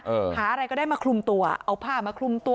หาอะไรก็ได้มาคลุมตัวเอาผ้ามาคลุมตัว